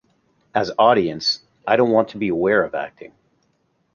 As audience, I don't want to be aware of acting.